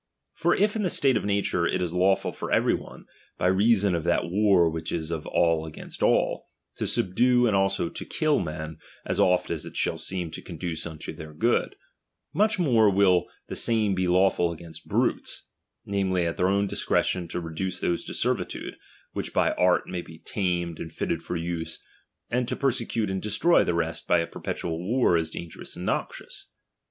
For''^'"° if in the state of nature it is lawful for every one, by reason of that war which is of all against all, to subdue and also to kCl men as oft as it shall seem to conduce unto their good ; much more will the same be lawful against brutes ; namely, at their own discretion to reduce those to servitude, which by art may be tamed and fitted for use, and to perse cute and destroy the rest by a perpetual war as dangerous and noxious.